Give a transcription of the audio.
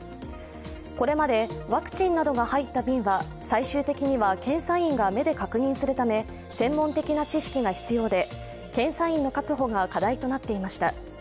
これまでワクチンなどが入った瓶は最終的には検査員が目で確認するため専門的な知識が必用で検査員の確保が課題となっていました。